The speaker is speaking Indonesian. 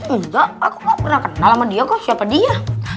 enggak aku gak pernah kenal sama dia kok siapa dia